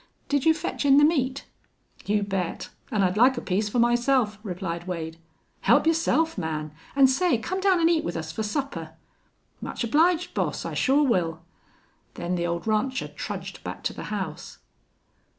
Did you fetch in the meat?" "You bet. An' I'd like a piece for myself," replied Wade. "Help yourself, man. An' say, come down an' eat with us fer supper." "Much obliged, boss. I sure will." Then the old rancher trudged back to the house.